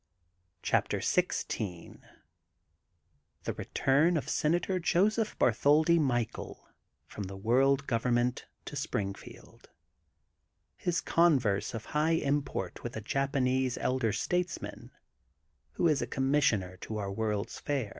CHAPTER XVI THB BBTURN OF SENATOR JOSEPH BABTHOLDI MICHAEL FBOM THE WOBLD GOVERNMENT TO SPBINGFIELD. HIS CONTEBSE OF HIGH IMPORT WITH A JAPANESE ELDER STATESMAN WHO IS A COMBHSSIONER TO OUR WORLD'S FAIR.